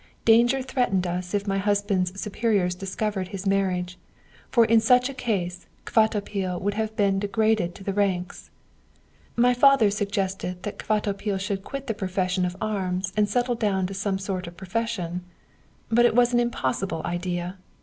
Danger threatened us if my husband's superiors discovered his marriage, for in such a case Kvatopil would have been degraded to the ranks. My father suggested that Kvatopil should quit the profession of arms and settle down to some sort of profession. But it was an impossible idea.